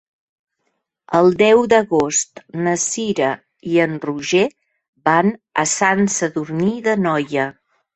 El deu d'agost na Cira i en Roger van a Sant Sadurní d'Anoia.